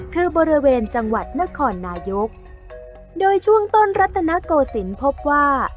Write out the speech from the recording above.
คือบริเวณจังหวัดนครนายกโดยช่วงต้นรัตนโกศิลป์พบว่า